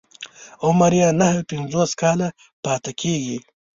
عمر يې نهه پنځوس کاله پاتې کېږي.